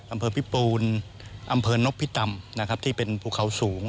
อำเภอพี่ปูนอำเภอนกพี่ตำที่เป็นภูเขาสูง